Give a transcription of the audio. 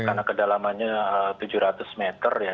karena kedalamannya tujuh ratus meter ya